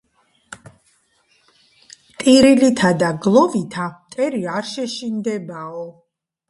ტირილითა და გლოვითა მტერი არ შეშინდებაო